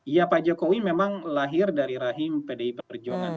ya pak jokowi memang lahir dari rahim pdi perjuangan